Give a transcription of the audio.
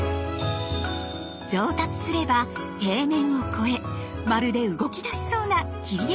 上達すれば平面を超えまるで動きだしそうな「切り絵」